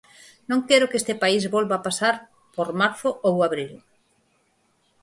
Non quero que este país volva pasar por marzo ou abril.